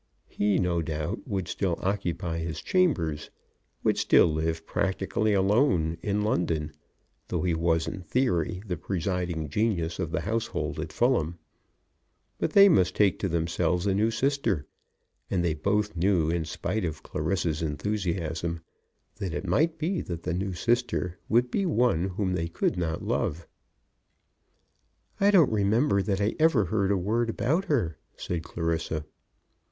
He, no doubt, would still occupy his chambers, would still live practically alone in London, though he was in theory the presiding genius of the household at Fulham; but they must take to themselves a new sister; and they both knew, in spite of Clarissa's enthusiasm, that it might be that the new sister would be one whom they could not love. "I don't remember that I ever heard a word about her," said Clarissa.